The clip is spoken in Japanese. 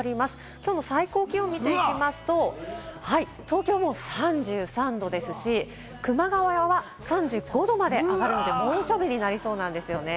きょうの最高気温を見ていきますと、東京はもう３３度ですし、熊谷は３５度まで上がる猛暑日になりそうなんですよね。